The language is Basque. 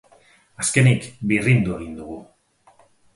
Azkenik birrindu egingo dugu.